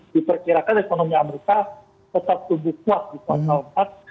diperkirakan ekonomi amerika tetap tumbuh kuat di kuartal empat